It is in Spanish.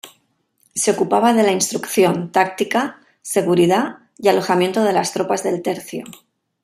Se ocupaba de la instrucción táctica, seguridad y alojamiento de las tropas del tercio.